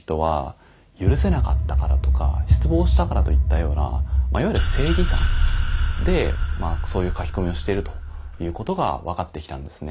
これも私が調査した結果いわゆる正義感でそういう書き込みをしているということが分かってきたんですね。